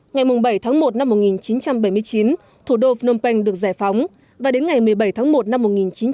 ngày bảy tháng một năm một nghìn chín trăm bảy mươi chín thủ đô phnom penh được giải phóng và đến ngày một mươi bảy tháng một năm một nghìn chín trăm bảy mươi